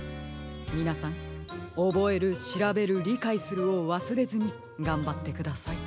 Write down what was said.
みなさん「おぼえるしらべるりかいする」をわすれずにがんばってください。